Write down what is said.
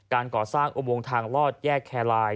การก่อสร้างอุโมงทางลอดแยกแคลาย